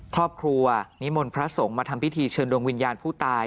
ครอบครัวนิมนต์พระสงฆ์มาทำพิธีเชิญดวงวิญญาณผู้ตาย